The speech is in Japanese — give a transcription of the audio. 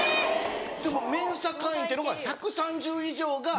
ＭＥＮＳＡ会員っていうのが１３０以上が。